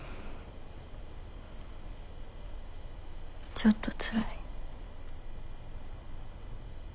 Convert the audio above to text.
ちょっとつらい。